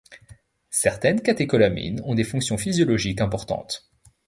Certaines catécholamines ont des fonctions physiologiques importantes.